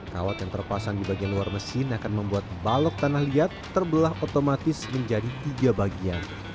kawat yang terpasang di bagian luar mesin akan membuat balok tanah liat terbelah otomatis menjadi tiga bagian